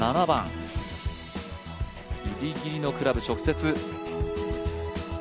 ７番、ギリギリのクラブ、直接。